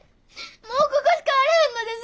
もうここしかあれへんのです。